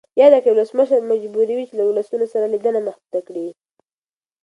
یاده کړۍ ولسمشر مجبوروي چې له ولسونو سره لیدنه محدوده کړي.